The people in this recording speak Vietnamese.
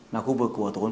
là khu vực của tổ hợp phòng